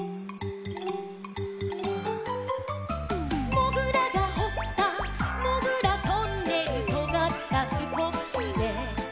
「もぐらがほったもぐらトンネル」「とがったスコップで」